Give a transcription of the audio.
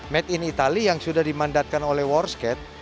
made in italy yang sudah dimandatkan oleh warscat